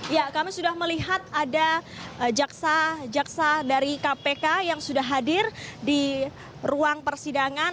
ya kami sudah melihat ada jaksa jaksa dari kpk yang sudah hadir di ruang persidangan